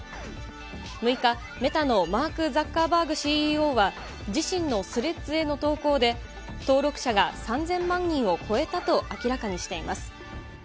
６日、メタのマーク・ザッカーバーグＣＥＯは、自身のスレッズへの投稿で、登録者が３０００万人を超えたと明らかにしています。